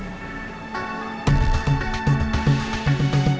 mas surya ada di mana